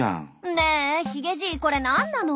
ねえヒゲじいこれ何なの？